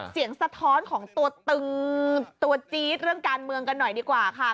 สะท้อนของตัวตึงตัวจี๊ดเรื่องการเมืองกันหน่อยดีกว่าค่ะ